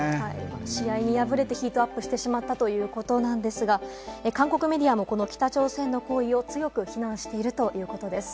試合に敗れてヒートアップしてしまったということなんですが、韓国メディアもこの北朝鮮の行為を強く非難しているということです。